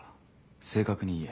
正確に言え。